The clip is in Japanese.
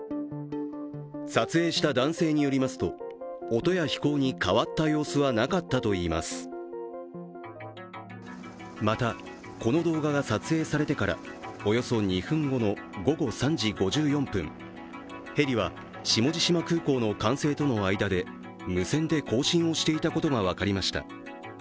撮影した男性によりますと音や飛行に変わった様子はなかったといいますまた、この動画が撮影されてからおよそ２分後の午後３時５４分、ヘリは下地島空港と管制との間で無線で交信をしていたことが分かりました。